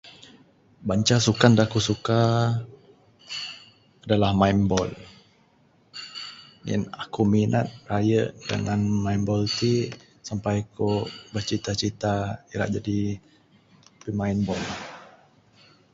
Banca sukan da ku'k suka adalah main ball. Ngin aku'k minat rayu dengan main ball ti, sampai ku'k bercita cita ira jadi pemain ball.